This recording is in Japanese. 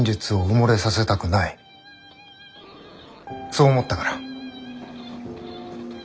そう思ったから。